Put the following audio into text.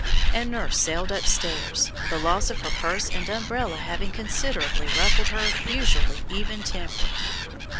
And nurse sailed upstairs, the loss of her purse and umbrella having considerably ruffled her usually even temper.